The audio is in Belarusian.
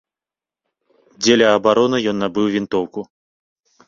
Дзеля абароны ён набыў вінтоўку.